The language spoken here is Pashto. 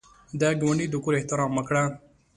د ګاونډي د کور احترام وکړه